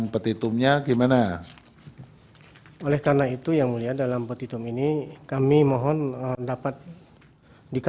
pada tps dua pasik